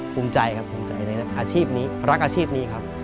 ภูมิใจครับภูมิใจในอาชีพนี้รักอาชีพนี้ครับ